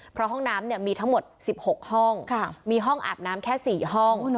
เพราะห้องน้ำมีทั้งหมด๑๖ห้องมีห้องอาบน้ำแค่๔ห้อง